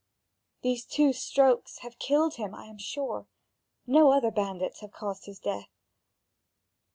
These two strokes have killed him, I am sure; no other bandits have caused his death.